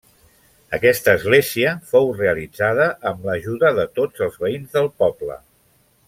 Aquesta església fou realitzada amb l'ajuda de tots els veïns del poble.